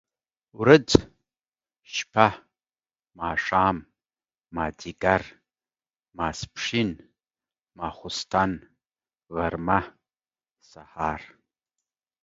ورځ، شپه ،ماښام، ماځيګر، ماسپښن ، ماخوستن ، غرمه ،سهار،